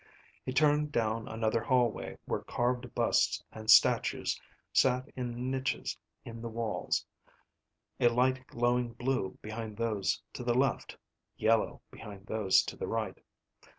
He turned down another hallway where carved busts and statues sat in niches in the walls, a light glowing blue behind those to the left, yellow behind those to the right.